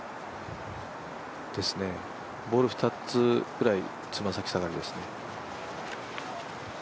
ボール２つぐらい爪先下がりですね。